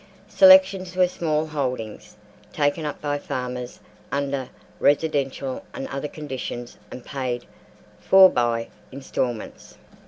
Selections were small holdings taken up by farmers under residential and other conditions and paid for by instalments.